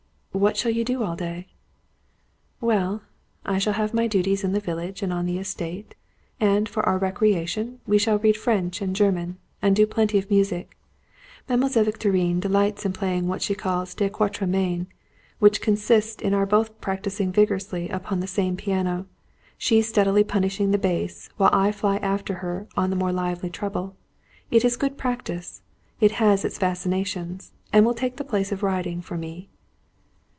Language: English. "What shall you do all day?" "Well, I shall have my duties in the village and on the estate; and, for our recreation, we shall read French and German, and do plenty of music. Mademoiselle Victorine delights in playing what she calls 'des à quatre mains,' which consist in our both prancing vigorously upon the same piano; she steadily punishing the bass; while I fly after her, on the more lively treble. It is good practice; it has its fascinations, and it will take the place of riding, for me."